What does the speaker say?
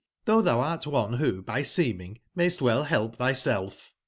tbougb tbou art one wbo by seem |ing mayst well belp tbyself